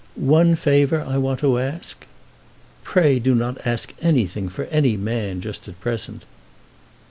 "One favour I want to ask." "Pray do not ask anything for any man just at present."